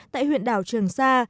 tại huyện đảo trường sa